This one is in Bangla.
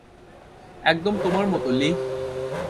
একদম তোমার মতো, লিহ।